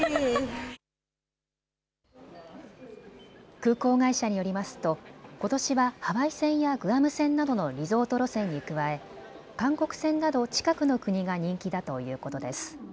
空港会社によりますとことしはハワイ線やグアム線などのリゾート路線に加え韓国線など近くの国が人気だということです。